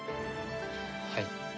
はい。